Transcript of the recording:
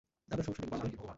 আপনার সমস্যাটা কী বলুন তো?